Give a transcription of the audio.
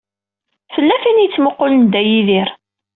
Tella tin i yettmuqqulen Dda Yidir.